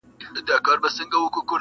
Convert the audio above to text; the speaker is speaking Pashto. دې مړۍ ته د ګیدړ ګېډه جوړيږي-